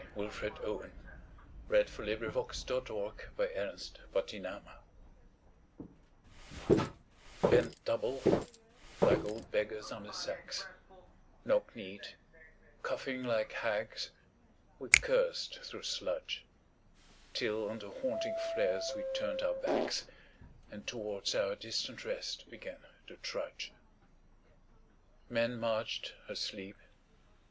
com Dulce Et Decorum Est Wilfred Owen Dulce Et Decorum Est Bent double, like old beggars under sacks, Knock kneed, coughing like hags, we cursed through sludge, Till on the haunting flares we turned our backs And towards our distant rest began to trudge. Men marched asleep.